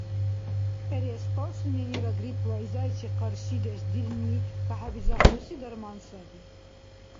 Эреспал – суненира гриппла изайчи къаршидеш дирни кахӀебизахъурси дарман саби.